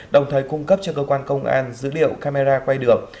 đồng thời cung cấp cho cơ quan công an dữ liệu camera quay đường